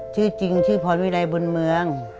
ชื่อจริงชื่อพรวิรัยบุญเมือง